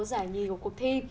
giải nhì của cuộc thi